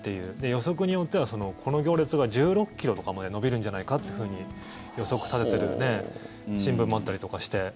予測によってはこの行列が１６ｋｍとかまで延びるんじゃないかというふうに予測立てている新聞もあったりとかして。